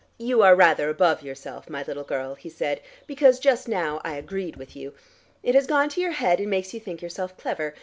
"You are rather above yourself, my little girl," he said, "because just now I agreed with you. It has gone to your head, and makes you think yourself clever.